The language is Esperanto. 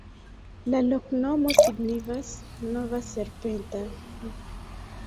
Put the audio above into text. La loknomo signifas: nova-serpenta.